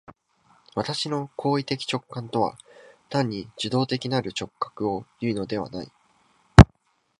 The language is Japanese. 私の行為的直観とは単に受働的なる直覚をいうのではない。